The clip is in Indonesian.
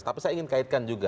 tapi saya ingin kaitkan juga